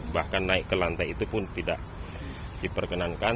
bahkan naik ke lantai itu pun tidak diperkenankan